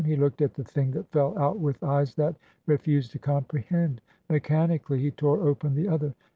He looked at the thing that fell out with eyes that re fused to comprehend. Mechanically, he tore open the other.